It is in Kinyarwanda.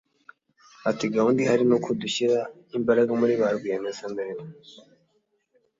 Ati "Gahunda ihari ni iy’uko dushyira imbaraga muri ba rwiyemezamirimo